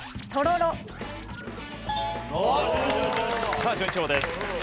さあ順調です。